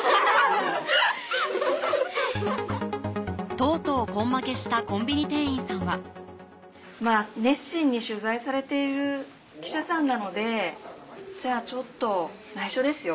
とうとう根負けしたコンビニ店員さんは熱心に取材されている記者さんなのでじゃあちょっと内緒ですよ？